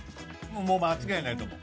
もう間違いないと思う。